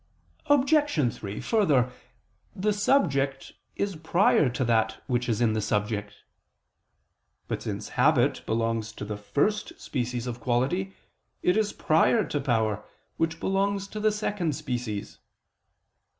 Obj. 3: Further, the subject is prior to that which is in the subject. But since habit belongs to the first species of quality, it is prior to power, which belongs to the second species.